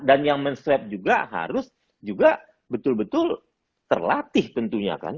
dan yang men swab juga harus juga betul betul terlatih tentunya kan